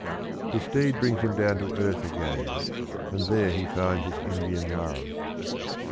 His steed brings him down to earth again, and there he finds his Indian love (623).